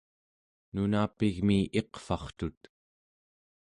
nunapigmi iqvartut